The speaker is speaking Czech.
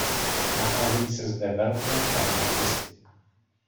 Nacházejí se zde velké kamenné busty.